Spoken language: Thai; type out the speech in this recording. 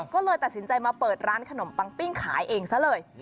ก็เลยตัดสินใจมาเปิดร้านขนมปังปิ้งขายเองซะเลย